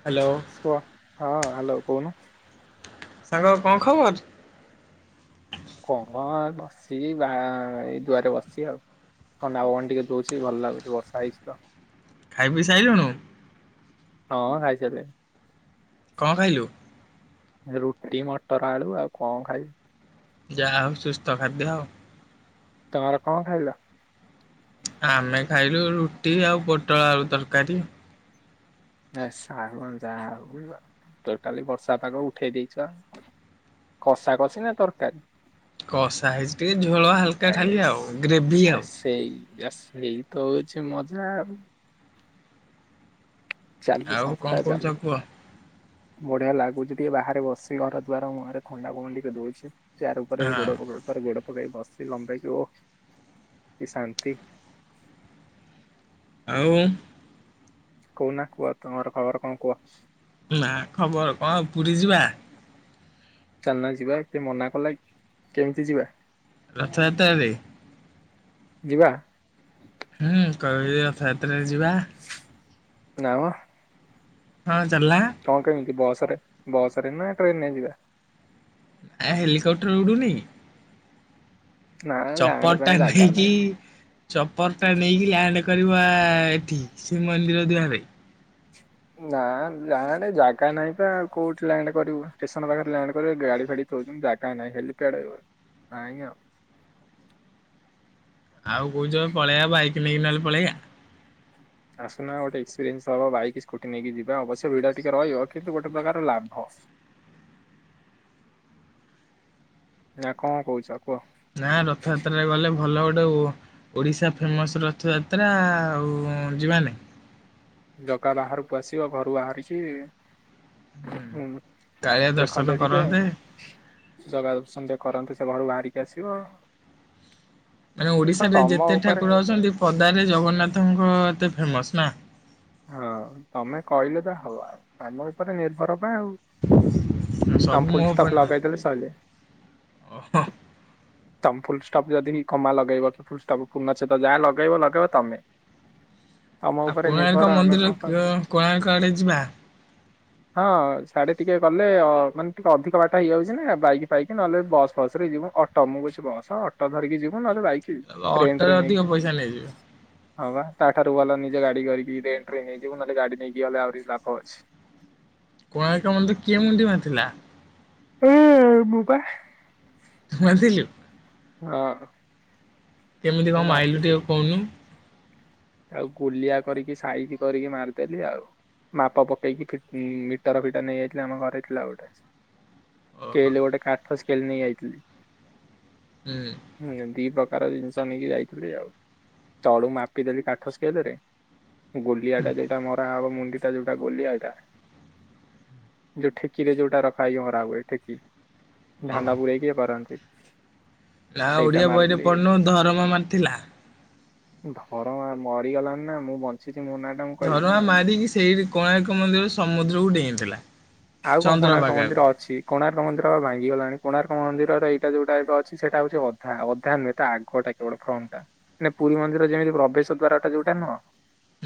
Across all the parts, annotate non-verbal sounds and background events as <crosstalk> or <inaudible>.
Hello କୁହ ହଁ hello କହୁନ ସାଙ୍ଗ କଣ ଖବର କଣ ବସି ବା ଏଇ ଦୁଆରେ ବସି ଆଉ ଥଣ୍ଡା ପବନ ଟିକେ ଦଉଛି ଭଲ ଲାଗୁଛି ବର୍ଷା ହେଇଛି ତ ଖାଇ ପିଇ ସାରିଲୁଣିୁ ହଁ ଖାଇସାଇଲିଣି କଣ ଖାଇଲୁ ରୁଟି ମଟର ଆଳୁ ଆଉ କଣ ଖାଇବି ଯାହା ହଉ ସୁସ୍ଥ ଖାଦ୍ୟ ଆଉ ତମର କଣ ଖାଇଲ ଆମେ ଖାଇଲୁ ରୁଟି ଆଉ ପୋଟଳ ଆଳୁ ତରକାରୀ ଯାହା ହେଉ ଟୋଟାଲି ବର୍ଷା ପାଗ ଉଠେଇ ଦେଇଛ କଷା କଷି ନା ତରକାରୀ କଷା ହେଇଛି ଟିକେ ଝୋଳ ହାଲକା ଖାଲି ଆଇସ୍ ଆଉ ଗ୍ରେଭି ଆଉ ଏଇ ତ ହଉଛି ମଜା ଆଉ ଚାଲୁ ଆଉ ସଂସ୍ଥା କଣ ଚାଲୁ କହୁଛ କୁହ ବଢିଆ ଲାଗୁଛି ଟିକେ ବାହାରେ ବସି ଘର ଦୁଆର ମୁହଁରେ ଥଣ୍ଡା ପବନ ଟିକେ ଦଉଛି ଚାର ଉପରେ ଏ ହଁ ଗୋଡ଼ ଉପରେ ଗୋଡ଼ କେ <unintelligible> ବସିଛି ଲମ୍ବେଇକି ଯଉ କି ଶାନ୍ତି ଆଉ କହୁନା କୁହ ତୁମର ଖବର କଣ କୁହ ନା ଖବର କଣ ପୁରୀ ଯିବା ଚାଲୁନା ଯିବା କିଏ ମନା କଲା କି କେମିତି ଯିବା? ରଥଯାତ୍ରାରେ ଯିବା ହୁଁ କହି ରଥଯାତ୍ରାରେ ଯିବା ନାଆମ ହଁ ଚାଲୁନା କଣ କେମିତି ବସ୍ ବସ୍ ରେ ନା ଟ୍ରେନ୍ ରେ ଯିବା? ଏ ହେଲିକପ୍ଟର ଉଡ଼ୁନି? ନା ଲାଣ୍ଡ ଚପର ଟା ପାଇଁ ଜାଗା ନେଇକି ନାହିଁ ଚପର ଟା ନେଇକି ଲ୍ୟାଣ୍ଡ କରିବ ଆ ଆ ଏଠି ଶ୍ରୀମନ୍ଦିର ଦୁଆରେ।। ନା ନା ଆରେ ଜାଗା ନାହିଁ ବା ଆଉ କୋଉଠି ଲ୍ୟାଣ୍ଡ କରିବୁ ଷ୍ଟେସନ୍ ପାଖରେ ଲ୍ୟାଣ୍ଡ କରିବୁ ଗାଡି ଫାଡି ଥଉଛନ୍ତି ଜାଗା ନାହିଁ ହେଲିକପ୍ଟର ନାହିଁ ଆଉ। ଆଉ କହୁଛ ପଳେଆ ବାଇକ୍ କି ନ କି ନାଲେ <unintelligible> ପଳେୟା ଆସୁନା ଗୋଟେ ଏକ୍ସପିରିଏନ୍ସ ହବ ବାଇକ୍ ସ୍କୁଟି ନେଇକି ଯିବା ଆଉ ଅବଶ୍ୟ ଭିଡ ଟିକେ ରହିବ କିନ୍ତୁ ଗୋଟେ ପ୍ରକାର ଲାଭ। ନା କଣ କହୁଛ? କୁହ ନା ରଥଯାତ୍ରାରେ ଗଲେ ଭଲ ଗୋଟେ ଓଡ଼ିଶା ଫେମସ୍ ରଥଯାତ୍ରା ଆଉ ଯିବାନି। ଜଗା ବାହାରକୁ ଆସିବ ଘରୁ ବାହାରିକି ହୁଁ କାଳିଆ ଦର୍ଶନ ଦେଖନ୍ତେ ଟିକେ କରନ୍ତେ ଜଗା ଦର୍ଶନ ଟିକେ କରନ୍ତେ। ସେ ଘରୁ ବାହାରିକି ଆସିବ। ମାନେ ହଁ ଓଡିଶାରେ ତମ ଯେତେ ଉପରେ ଠାକୁର ଅଛନ୍ତି ପଦାରେ ଜଗନ୍ନାଥଙ୍କ ଏତେ ଫେମସ୍ ନା? ହଁ ତମେ କହିଲ ତ ହବ ତମ ଉପରେ ନିର୍ଭର ନାଉ ସବୁ ତମେ ଫୁଲ୍ ମୋହ ଷ୍ଟପ୍ ପରିଣ ଲଗେଇ ଦେଲେ ଶୋଇଲେ। ଓହୋ ତମେ ଫୁଲ ଷ୍ଟପ୍ ଯଦି ବି କମା ଲଗେଇବ କି ଫୁଲ ଷ୍ଟପ୍ ପୁର୍ନଛେଦ୍ ଯାହା ଲଗେଇବ ଲଗେଇବ ତମେ। ତମ ଆଉ ଉପରେ ନିର୍ଭର କୋଣାର୍କ ଆମେ ମନ୍ଦିର କଣ କହିବୁ। କୋଣାର୍କ ଆଡେ ଯିବା। ହଁ ସାଢେ ଟିକେ ଗଲେ ମାନେ ଟିକେ ଅଧିକ ବାଟ ହେଇଯାଉଛି ନା ବାଇକ୍ ଫାଇକ୍ ନହେଲେ ବସ୍ ଫସ୍ ରେ ଯିବୁ ଅ ତମ ଖୁସି ବସ୍ ଅଟୋ ଧରିକି ଯିବୁ ନ ଅଟରେ ଅଧିକ ପଇସା ନେଇଯିବେ। ହଁ ବା ତା ଠାରୁ ଭଲ ନିଜ ଗାଡି କରିକି ରେଣ୍ଟ୍ ନେଇଯିବୁ ନହେଲେ ଗାଡି ନେଇକି ଗଲେ ଆହୁରି ଲାଭ ଅଛି। କୋଣାର୍କ ମନ୍ଦିର କିଏ ମୁଣ୍ଡି ମାରି ଥିଲା। ହୁଁ ମୁଁ ପା। ତୁ ମାରିଥିଲୁ। ହଁ। କେମିତି ମୁଁ କଣ ମାଇଲୁ ମାରିଥିଲି ଟିକେ କହୁନୁ? ଆଉ ଗୋଲିଆ କରିକି ସାଇଜି କରିକି ମାରିଦେଲି ଆଉ ମାପ ପକେଇକି ମିଟର ଫିଟର ନେଇଯାଇଥିଲି ଆମ ଘରେ ଥିଲା ଗୋଟେ। ଓହୋ ସ୍କେଲ୍ ଗୋଟେ କାଠ ସ୍କେ ସ୍କେଲ୍ ନେଇଆଇଥିଲି। ହୁଁ ହୁଁ ଦିପ ପର ଜିନିଷ ତ ନେଇକି ଯାଇଥିଲି ଆଉ ତଳୁ ମାପି ଦେଲି କାଠ ସ୍କେଲେ ରେ ଗୋଲିଆ ଟା ଯେଇଟା ମରା ହବ ମୁଣ୍ଡି ଟ ଯୋଉଟା ଗଲିଆ ଏଇଟା ଯୋଉ ଠେକିରେ ଯୋଉଟା ରଖା ହେଇ ମରା ହୁଏ ଠେକି ଓହୋ ଧାନ ପୁରରେଇକି କରନ୍ତି। ନା ସେଇଟା ଓଡିଆ ବହିରେ ମାରିଲି। ପଢିନୁ ଧରମା ମା ଥିଲା। ଧରମା ମରିଗଲାଣି ନା ମୁଁ ବଞ୍ଚି ଧରମା ମାରିକି ସେଇଠ କୋଣାର୍କ ମନ୍ଦିର ସମୁଦ୍ରକୁ ଡେଇଁଥିଲା। ଆଉ କଣ କୋଣାର୍କ ଚନ୍ଦ୍ରଭାଗାକୁ। ମନ୍ଦିର ଅଛି କୋଣାର୍କ ମନ୍ଦିରପା ଭାଙ୍ଗିଗଲାଣି କୋଣାର୍କ ମନ୍ଦି ଏଇଟା ଯୋଉଟା ଏବେ ଅଛି ସେଟାଉ ଅଧା ଅଧା ନୁହେଁ ତା ଆଗଟା କେବଳ ଫ୍ରଣ୍ଟ ଟା ମାନେ ପୁରୀ ମନ୍ଦିର ଯେମିତି ପ୍ରବେଶ ଦ୍ଵାରା ଯଉଟା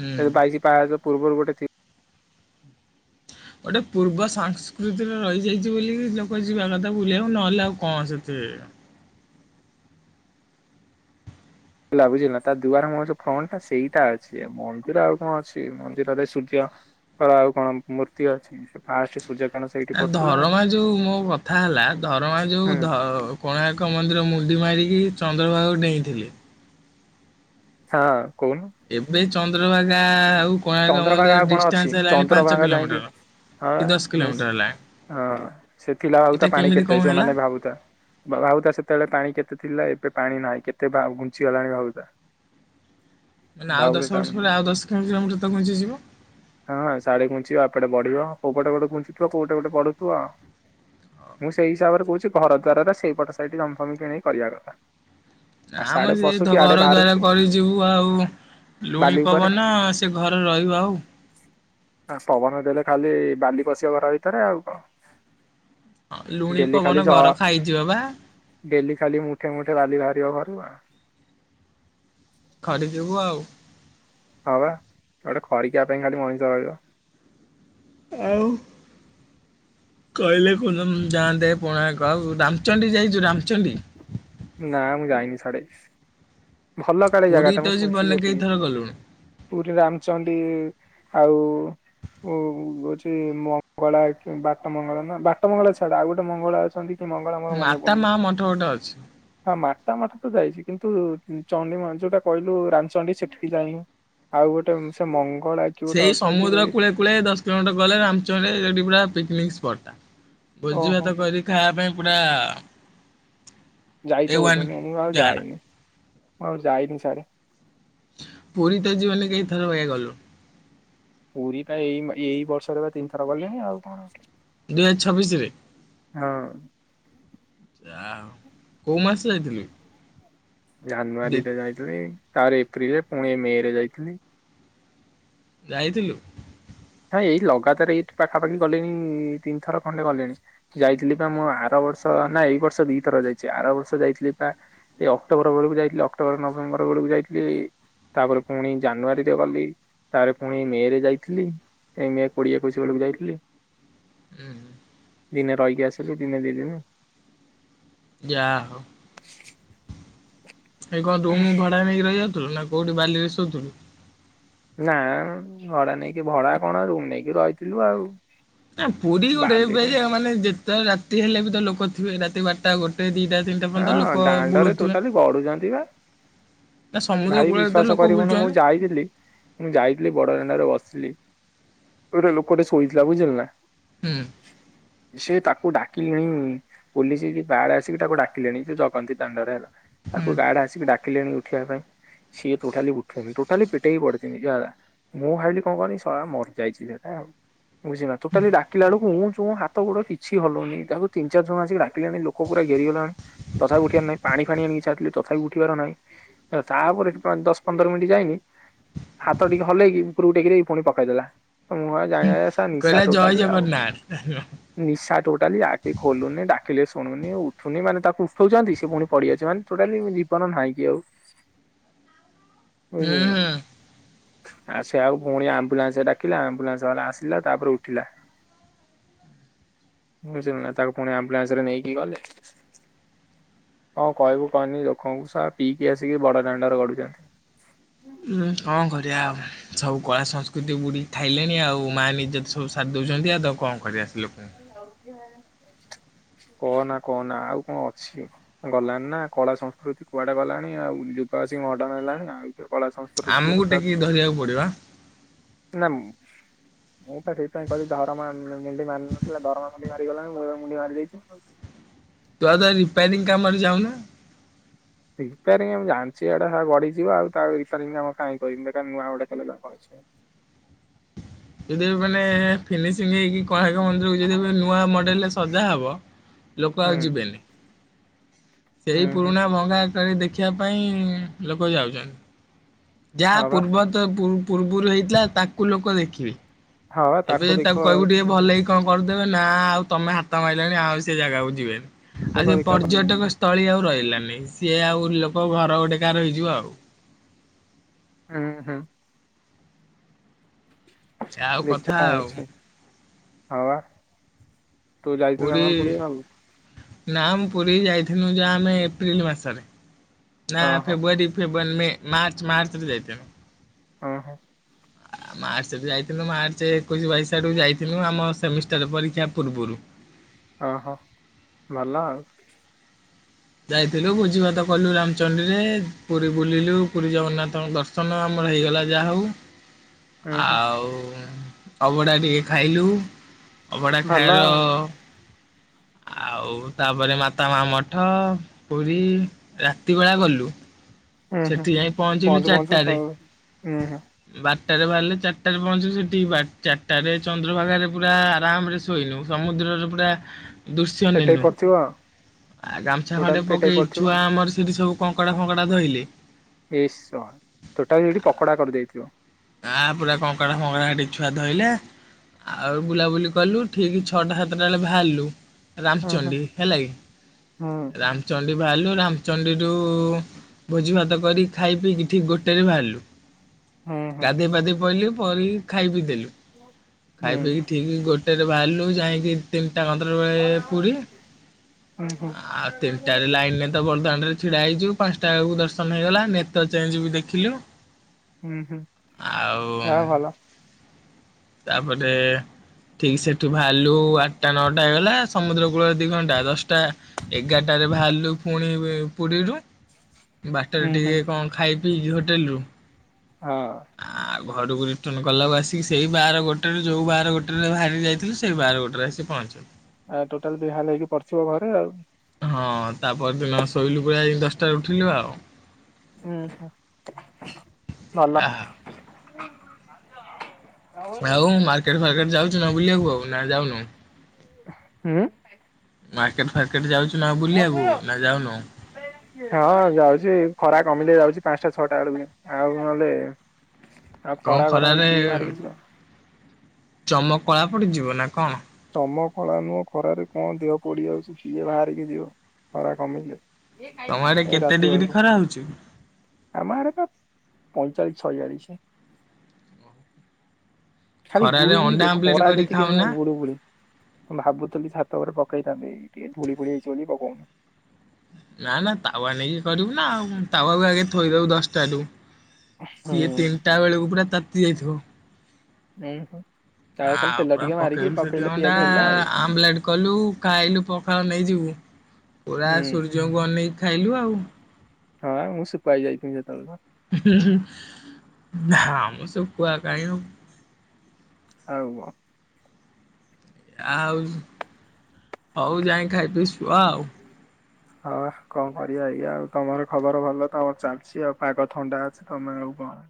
ହୁଁ। ବାଇସିୀ ପାହାଚ ପୂର୍ବରୁ ଗୋ <unintelligible> ଗୋଟେ ପୂର୍ବ ସଂସ୍କୃତିରେ ରହିଯାଇଛି ବୋଲିି ଲୋକ ଯିବା କଥା ବୁଲିବାକୁ ନହେଲେ ଆଉ କଣ ସେଥି ହେଲା ବୁଝିଲା ତା ଦୁଆର ମୁହଁ ଯୋଉ ଫ୍ରଣ୍ଟା ସେଇଟା ଅଛି ମନ୍ଦିର ଆଉ କଣ ଅଛି ମନ୍ଦିରରେ ସୂର୍ଯ୍ୟର ଆଉ କଣ ମୂର୍ତ୍ତି ଅଛି ଫାଷ୍ଟ ସୂର୍ଯ୍ୟ କି ନା ଧରମା ଯୋଉ ମୋ କଥା ହେଲା ଧରମା ଯୋଉ ହୁଁ କୋଣାର୍କ ମନ୍ଦିର ମୁ ଚଡି ମାରିକି ଚନ୍ଦ୍ରଭାଗୁ ଡେଇଁଥିଲେ। ହଁ। କଣ? ଏବେ ଚନ୍ଦ୍ରଭାଗା ଆଉ। କୋଣାର୍କ ଚନ୍ଦ୍ରଭାଗା ମନ୍ଦିର ଆଉ କଣ ଡିଷ୍ଟାନ୍ସ ଅଛି ହେଲାଣି ପାଞ୍ଚ ଚନ୍ଦ୍ରଭାଗା ଯାଇକି କିଲୋମିଟର। ହଁ କି ଦଶ ହଁ କିଲୋମିଟର ହେଲାଣି ସେ ଥିଲା ଏଇଟା ଭାବୁତା ପାଣି କେମିତି କେତେ କଣ ହେଲା? ସେମାନେ ଭାବୁଥା ଭାବୁଥା ସେତେବେଳେ ପାଣି କେତେ ଥିଲା ଏବେ ପାଣି ନାହିଁ କେତେ ଘୁଞ୍ଚି ଗଲାଣି ଭାବ ତା ମାନେ ଆଉ ଦଶ ବର୍ଷ ପରେ ଆଉ ଦଶ କିଲୋ କିଲୋମିଟର ତ ପହଞ୍ଚିଯିବ। ହଁ ଶାଢୀ ଘୁଞ୍ଚିବ ଏପଟେ ବଢିବ କୋଉ ପଟେ ଗୋଟେ ଘୁଞ୍ଚୁଥିବ କୋଉଟେ ଗୋଟେ ବଢୁଥିବଉଁ ସେଇ ହିସାବରେ କହୁଛି ଘର ଦ୍ଵାରରେ ସେଇ ପଟ ଶାଢୀ ଜମଫମ କିଣି କରିବା କଥା ଆଉ ଆମେ ସାଡେ ସେ ପଶୁଛି ଆଡେ ଘର ଦ୍ଵାରା ବାହାରୁଛି କରିଯିବୁ ଆଉ ଲୁଣି ବାଲି ଉପରେ ପବନ ସେ ଘରେ ରହିବ ଆଉ। ପବନ ଦେଲେ ଖାଲି ବାଲି ପଶିବା ଘର ଭିତରେ ଆଉ କଣ? ହଁ ଲୁଣି ଡଲି ପବନ ଖାଲି ଯ ଘର ଖାଇଯିବ ବା ଡଲି ଖାଲିଠେ ମୋଠେ ରାଲି ରା ଦେହ ଘର ବା ଖ ଯିବୁ ଆଉ। ହଁ ବା ଗୋଟେ ଖରିକିବା ପାଇଁ ଖାଲି ମଣିଷ ରିବ ଆଉ କହିଲେ କୁ ଯାଆନ୍ତେ ପୁଣା କ ରାମଚଣ୍ଡୀ ଯାଇଛୁ ରାମଚଣ୍ଡୀ ନା ମୁଁ ଯାାଇନି ସାଡେ ଭଲ କାଳି ଜାଗା ପୁରୀ ଟା ତ ମୁଁ ଶୁଣିଛି ଜୀବନରେ ଯେତିକି କେଇଥର ଗଲୁଣୁ ପୁରୀ ରାମଚଣ୍ଡୀ ଆଉ ହଉଛି ମଙ୍ଗଳା ବାଟ ମଙ୍ଗଳା ନା ବାଟ ମଙ୍ଗଳା ଛାଡା ଆଉ ଗୋଟେ ମଙ୍ଗଳା ଅଛନ୍ତି। କି ମଙ୍ଗଳା ମୋର ମାତା ମା ମଠ ଗଟେ ଅଛି। ବାଟା ମାଟ ତ ଯାଇଛି କିନ୍ତୁ ଚୀ ଯୋଉଟା କହିଲୁ ରାମଚଣ୍ଡୀ ସେଠି ଯାଇ ଆଉ ଗୋଟେ ସେ କି ଗୋଟେ ସେଇ ଅଛନ୍ତି ସମୁଦ୍ର କୂଳେ କୂଳେ ଦଶ କିଲୋମିଟର ଗଲେ ରାମଚରେ ପୁରା ପିକନିକ ସ୍ପଟ ତା ଭୋଜି ଓହୋ ଭାତ କରି ଖାଇବା ପାଇଁ ପୁରା ଏ ଯାଇଛବ ୱାନ୍ ତମେ ଏି ଭାବ ଜାଗାଟା। ଯଏ ନି। ହଉ ଯା ଆନିନ ସରେ ପୁରୀ ତା ଜୀବନ କେଥର ହୋଇ ଗଲ। ପୁରୀ ଟା ଏଇ ଏଇ ବର୍ଷରେ ବା ତିନିଥର ଗଲେଣି ଆଉ କଣଛି। ଦୁଇ ହଜାର ଛବିଶ ରେ କୋଉ ମାସ ଯାଇଥିଲି। ଜାନବରୀ ତେ ଯାଇଛୁ ନାଇ ଚାରି ଏପ୍ରିଲ ରେ ପୁଣି ମେ ରେ ଯାଇଥିଲି। ରାଇଥିଲଥିଲୁ। ନାଇଁ ଏଇ ଲଗାତାର ଏଇଠ ପାଖାପାଖି ଗଲିଣି ତିନି ଥର ଖଣ୍ଡେ ଗଲେଣି ଯାଇଥିଲି ପା ମୁଁ ଆର ବର୍ଷ ନା ଏଇ ବର୍ଷ ଦି ଥର ଯାଇଛି ଆର ବର୍ଷ ଯାଇଥିଲି ବା ଏଇ ଅକ୍ଟୋବର ବେଳକୁ ଯାଇଥିଲି ଅକ୍ଟୋବର ନଭେମ୍ବର ବେଳକୁ ଯାଇଥିଲି ତାପରେ ପୁଣି ଜାନୁଆରୀରେ ଗଲି ତାପରେ ପୁଣି ମେ ରେ ଯାଇଥିଲି। କହି ପଡିଆକୁସ ବେଳକୁ ଯାଇଥିଲି। ହୁଁ। ଦିନେ ରହିକି ଆସିଲ ଦିନେ ଦଦିନ ଯା ହଉ ଏଇ କଁ ରୁମୁ ଭଡା ନେଇକି ରହି ଯାଉଥିଲୁ ନା କୋଉଠି ବାଲିରେ ଶୋଉଥୁଲୁ? ନାଁ ଭଡା ନେଇକି ଭଡା କଣ ରୁମ ନେଇକି ରହିଥିଲୁ ଆଉ। ନାଁ ପୁରୀ ଗୋଟେ ଏବା ବାଲିରେ। ଜାଗା ମାନେ ଯେ ତେ ରାତି ହେଲେ ବି ତ ଲୋକ ଥିବେ। ରାତି ବାରଟା ଗୋଟେ ଦି ହଁ ଦାଣ୍ଡରେ ଟୋଟାଲି ଗଡ଼ୁଚନ୍ତି ପା। ନା ସମୁଦ୍ର ଭାଇ କୂଳରେ ତ ବିଶ୍ଵାସ ଲୋକ କରିବୁନୁ ମୁଁ ବୁଲୁଛନ୍ତି ଯାଇଥିଲି ମୁଁ ଯାଇଥିଲି ବଡ ଦାଣ୍ଡରେ ବସିଲି। ଗୋଟେ ଲୋକଟେ ଶୋଇଥିଲା ବୁଝିଲ ନାଁ ହୁଁ ସିଏ ତା ଧକୁ ଡାକିଲିନେଇ ପୋଲିସ କି ବାଡ ଆସିକି ତାକୁ ଡା କିଲେଣି ଯେ ଜଗନ୍ତି ଦାଣ୍ଡରେ ହେଲା ହୁଁ ତାକୁ ଗାଡ ଆସିକି ଡା କିଲେଣି ଉଠିବା ପାଇଁ ସିଏ ଟୋଟାଲି ଉଠୁନି ଟୋଟାଲି ପେଟେଇକି ପଡିଚି ନିଜଆଦା। ମୁଁ ଭାବିଲି କଣ କହନି ସଳା ମରଯାଇଚି ସେଟା ଆଉ। ବୁଝିଲ ନା ଟୋଟାଲି ଡାକିଲା ଅଳୁକୁ ଉଠ୍ ରଟୁଁ ହାତ ଗୋଡ଼ କିଛି ହଲଉନେଇ ତାକୁ ତିିନ ଚାର ଜଣ ଆସିକି ଡାକିଲାଣି ଲୋକ ପୁରା ଘେରିଗଲେଣି। ତଥାପି ଉଠିବାର ନାହିଁ। ପାଣି ଫାଣି ଆଣିକି ଛାଟିଲି ତଥାପି ଉଠିବାର ନାହିଁ। ହା ତାପରେ ପାଁ ଦଶ ପନ୍ଦର ମିଣ୍ଟି ଯାଇନି ହାତ ଟିକେ ହଲେଇକି ଉପୁରୁକୁ ଟେକିଦେଇକି ଦେଇ ପୁଣି ପକେଇଦେଲା। ମୁଁ ଆଉ ଜାଣିବା ଯେ ସା ନିଶା କହିଲା ଜୟ ଟୋଟାଲି ଆଉ ଜଗନ୍ନାଥ ହୁଁ ନିଶା ଟୋଟାଲି ଆଖି ଖୋଲୁନି ଡା କିଲେ ଶୁଣୁନି ଉଠୁନି ମାନେ ତା ଉଠଉଚନ୍ତି ସେ ପୁଣି ପଡ଼ିଯାଇଛି ମାନେ ଟୋଟାଲି ଜୀବନ ନାହିଁ କି ଆଉ। ହୁଁ ହୁଁ। ଆ ସେ ଆଉ ପୁଣି ଆମ୍ବୁଲାନ୍ସ ଡାକିଲା ଆମ୍ବୁଲାନ୍ସ ବାଲା ଆସିଲା ତାପରେ ଉଠିଲା। ବୁଝିଲୁ ନା ତାକୁ ପୁଣି ଆମ୍ବୁଲାନ୍ସରେ ନେଇକି ଗଲେ। କଁ କହିବୁ କହନି ଲୋକଙ୍କୁ ସଳା ପିଇକି ଆସିକି ବଡ ଦାଣ୍ଡରେ ଗଡ଼ୁଚନ୍ତି। ଉଁ କଣ କରିବା ଆଉ ସବୁ କଳା ସଂସ୍କୃତି ବୁଡି ଖାଇଲେଣି ଆଉ। ମାନ ଇଜତ ସବୁ ସାରି ଦଉଚନ୍ତି ଆଉ ତାକୁ କଣ କରିବା? ସେ ଲୋକଙ୍କୁ <unintelligible> କହନା କହନା ଆଉ କଣ ଅଛି ଗଲାଣି ନାଁ କଳା ସଂସ୍କୃତି କୁଆଡେ ଗଲାଣି ଆଉ ଯୁଗ ଆସି ମଡ଼ନ୍ ହେଲାଣି ଆଉ। କୋଉ କଳା ସଂସ୍କୃତି କିଏ ଆମକୁ ପଚାରୁଛି? ଟେକିକି ଧରିବାକୁ ପଡିବ ନା ମ ମୁଁ ପା ସେଇଥିପାଇଁ କହିଲି ଧରମା ମୁଣ୍ଡି ମାର ନ କହିଲା ଧରମା ମୁଣ୍ଡି ମାରିଗଲାଣି ମୁଁ ଏବେ ମୁଣ୍ଡି ମାରି ଦେଇଚି ଆଉ। ତୁ ଆଉ ତ ରିପାରିଙ୍ଗ କାମରେ ଯାଉନୁ? ହେ ରିପାରିଂ ମୁଁ ଜାଣିଚି ଏଟା ଶଳା ଗଡିିଯିବ ଆଉ ତା ରିପାରିଂ କାମ କାଇଁ କିରିବି ବେକାର ନୂଆ ଗୋଟେ କଲେ ଲାଭ ଅଛି। ଏ ମାନେ ଫିନିସିଂ ହେଇକି। କୋଣାର୍କ ମନ୍ଦିରକୁ ଯଦି ଏବେ ନୂଆ ମଡେଲରେ। ସଜା ହବ। ଲୋକ ଆଉ ହୁଁ ଯିବେନି। ସେଇ ହୁଁ ହୁଁ ପୁରୁଣା ଭଙ୍ଗା। ତାଙ୍କେ ଦେଖିବା ପାଇଁ ଲୋକ ଯାଉଚନ୍ତି। ଯାହା ହଁ ବା ପୂର୍ବ ତ ପୂ ପୂର୍ବରୁ ହେଇଥିଲା ତାକୁ ଲୋକ ଦେଖିବେ। ହଁ ବା ଏବେ ଯଦି ତାକୁ ଦେଖିବ କହିବୁ ଟିକେ ଭଲକି। କଣ କରିଦେବେ ନା ଆଉ ତମେ ହାତ ମାରିଲଣି ଆଉ ସେ ଜାଗାକୁ ଯିବେନି। ଆଉ ସେ ଦେଖିବା ପାଇଁ ପର୍ଯ୍ୟଟକ ସ୍ଥଳୀ ଆଉ ରହିବ। ହେଲାନି ସିଏ ଆଉ ଲୋକ ଘର ଗୋଟେ କା ରହିଯିବ ଆଉ। ହୁଁ ହୁଁ। ଏ ଆଉ ଦେଖିବା କଥା କଣ ଆଉ। ହଉଛି ହଁ ବା। ତୁ ଯାଇଥିଲୁ ନା ପୁରୀ କଣ ପଡିଆ ଆଉ ନା ମୁ ପୁରୀ ଯାଇ ଥିନୁ ଯା ଆମେ ଏପ୍ରିଲ ମାସରେ। ନା ଓହୋ ଫେବୃୁଆାରୀ ଫେବ ଲ ମେ ମାର୍ଚ୍ଚ ମାର୍ଚ୍ଚରେ ଯାଇଥିନୁ। ହଁ ହଁ। ମାାର୍ଚ୍ଚ ଯାଇଥିଲୁ ମାାର୍ଚ। ଏକୋଇସ ବାଇସ ଆଡକୁ ଯାଇଥିଲୁ ଆମ ସେମି ଷ୍ଟର ପରକ୍ଷା ପୁୁରବୁରୁ। ଓହୋ ଭଲ ଆଉ। ଯାଇଥିଲୁ ଭୋଜି ଭାତ କଲୁ ରାମଚଣ୍ଡୀରେ ପୁରୀ ବୁଲିଲୁ ପୁରୀ ଜଗନ୍ନାଥଙ୍କ ଦର୍ଶନ ଆମର ହେଇଗଲା ଯାହା ହଉ। ହୁଁ ହୁଁ ଆଉ। ଅଭଡା ଟିକେ ଖାଇଲୁ। ଅଭଢ଼ା ଭଲ ଖାଇାଆର। ଆଉ ଆଉ ତାପରେ ମାତା ମା ମଠ ପାଠ ପୀ ରାତି ବେଳା ଗଲୁ ହୁଁ ହୁଁ ସେଠି ଯାଇ ପହଞ୍ଚିଲୁ ପହଞ୍ଚୁ ପହଞ୍ଚୁ ଚାରିଟାରେ ସବୁ ହୁଁ ହୁଁ। ବାରଟରେ ବାହାରିଲେ ଚାରିଟାରେ ପହଞ୍ଚିଲ ସେଠି ଚାରିଟାରେ ଚନ୍ଦ୍ରଭାଗାରେ ପୁରା ଆରାମ ରେ ଶୋଇନୁ ସମୁଦ୍ରରେ ପୁରା ଦୃଶ୍ୟ ପେଟେଇ ନେନୁ ପଡିଥିବ ଆଉ ଆ ଗାମୁଛା ଖଣ୍ଡେ ଟୋଟାଲି ପେଟେଇ ପକାଇ ପଡିଥିବ ଛୁଆ ଆଉ ଆମର ସେଇଠି ସବୁ କଙ୍କଡ଼ା ଫଙ୍କଡା ଧୋଇଲି ଏେଶ ତୋଟାଲ ଏଠି ପକୋଡା କରିଦେଇଥିବ। ଆ ପୁରା କଙ୍କଡ଼ା ଫଙ୍କଡ଼ା ସେଠିକ ଛୁଆ ଧୋଇଲେ ଆଉ ବୁଲାବୁଲି କଲୁ ଠିକ ଛଅଟା ସାତଟା ବେଳେ ବାହାରିଲୁ ହୁଁ ହୁଁ ରାମଚଣ୍ଡୀ ହେଲା କି ରାମଚଣ୍ଡୀ ବାହାରିଲୁ ରାମଚଣ୍ଡୀରୁ ଭୋଜି ଭାତ କରିକି ଖାଇ ପିଇକି ଠିକ ଗୋଟେରେ ବାହାରିଲୁ। ହୁଁ ହୁଁ ଗାଧୋଇ ପାଧି ପହିଲୁ ପର ଖାଇ ପି ଦେଲି ହୁଁ ଖାଇ ପିଇକି ଠିକ ଗୋଟେ ସେଠୁ ବାହାରିଲୁ ଯାଇକି ଟା ବେଳେ ପୁରୀ ହୁଁ ହୁଁ ହୁଁ ଆଉ ତିନିଟାରେ ଲାଇନରେ ତ ବର୍ଧମାନରେ ଛିଡା ହେଇଯିବ। ପାଞ୍ଚଟା ବେଳକୁ ଦର୍ଶନ ହେଇଗଲା ନେତ ଚେଞ୍ଜ ବି ଦେଖିଲୁ ପା ହୁଁ ହୁଁ। ଆଉ। ତାପରେ ଠିକ ସେଠୁ ବାହାରିଲୁ ଆଠଟା ନଅଟା ହେଇଗଲା ସମୁଦ୍ର କୂଳରେ ଦି ଘଣ୍ଟା ଦଶଟା ଏଗାରଟାରେ ବାହାରିଲୁ ପୁଣି ପୁରୀରୁ ବାଟରେ ହୁଁ ହୁଁ ଟିକେ କଣ ଖାଇ ପିଇ ହୋଟେଲରୁୁ ହଁ। ଘରକୁ ରିଟର୍ଣ୍ଣ କଲାକୁ ଆସିକି ସେଇ ବାର ଗୋଟେରେ ଯୋଉ ବାର ଗୋଟେରେ ବାହାରି ଯାଇଥିଲୁ ସେଇ ବାର ଗୋଟେରେ ଆସି ପହଞ୍ଚିବୁ। ଆ ଟୋଟାଲ ବି ହଲ ହେଇକି ପଥିବ ଘରେ ଆଉ। ହଁ ତାପଦିନ ଶୋଇଲୁ ପଳିଆ ଏ ଦଶଟାରେ ଉଠିଲୁ ଆଉ ହୁଁ ହ ଭଲ। ଆ ଆ ଆଉ ମାର୍କେଟ ଫାର୍କେ ଯାଉଛୁ ନା ବୁଲିବାକୁ ଆଉ ନା ଯାଉନୁ ହୁଁ। ମାର୍କେଟ ଫାର୍କେଟ ଯାଉଛୁ ନା ଆଉ ବୁଲିବାକୁୁ ନା ଯାଉନୁ ହଁ ଯାଉଛି ଖରା କମିଲେ ଯାଉଛି ପାଞ୍ଚଟା ଛଅଟା ବେଳକୁ ଆଉ ନହେଲେ ଆଉ କଣ ଖରା ଗରମରେ କିଏ ବାହାରିକି ଯିବ? ଚମକଳା ପଡି ଯିବ ନା କଣ? ଚମ ଖଳା ନୁହଁ ଖରାରେ କଣ ଦେହ ପଡିଯାଉଛି ସିଏ ବାହାରିକି ଦିଅ ଖରା କମିଲେ ତମରେ ଏ କେତେ ରାତି ଡିଗ୍ରୀ ବେଳକୁ ଖରା ହଉଚି। ଆମ ଆଡ଼େ ପା ପଇଁଚାଳିଶ ଛୟାଳିଶ। ଖାଲି ଖରାରେ ଗୁଳୁ ଗୁଳିି ଅଣ୍ଡା ଯେ ଆମ୍ଲେଟ ଖରା କରିକି ଯେତିକି ନୁହେଁ ଖାଉନା। ଗୁଳୁ ଗୁଳି। ମୁଁ ଭାବୁଥିଲି ଛାତ ଉପରେ ପକେଇଥାନ୍ତି ଟିକେ ଧୂଳି ଫୁଳି ହେଇଛି ବୋଲି ପକଉନି। ନା ନା ତାୱା ନେଇକି କରିବୁ ନା ଆଉ। ତାୱାକୁ ଆଗେ ଥୋଇଦବୁ ଦଶଟାରୁୁ ହୁଁ। ସିଏ ତିନିଟା ବେଳକୁ ପୁରା ତାତି ଯାଇଥିବ <unintelligible> ଖାଲି ଆଉ ତେଲ ପୁରା ଟିକେ ମାରିକି ପକେଇଲୁ ସେଠି ପକେଇଲେ ଅଣ୍ଡା ପିଆଜ ହେଲା ଆଉ ଆମ୍ଲେଟ କଲୁ ଖାଇଲୁ ପଖାଳ ନେଇଯିବୁ ପୁରା ହୁଁ ସୂର୍ଯ୍ୟଙ୍କୁ ଅନେଇକି ଖାଇଲୁ ଆଉ। ହଁ ମୁଁ ଶୁଖୁଆ ହେଇଯାଇଥିବି ସେତେବେଳକୁ। ନାଁ ମ ଶୁଖୁଆ କାଇଁ ହବୁ। ହଉ। ଆଉ ହଉ ଯାଇଁ ଖାଇପିଇ ଶୁଅ ଆଉ। ହଁ କଣ କରିବା ଆଜ୍ଞା ଆଉ ତମର ଖବର ଭଲ ତମର ଚାଲିଛି ଆଉ ପାଗ ଥଣ୍ଡା ଅଛି ତମେ ଆଉ କଣ।